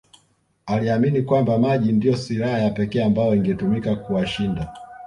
Aliamini kwamba maji ndiyo silaha ya kipekee ambayo ingetumika kuwashinda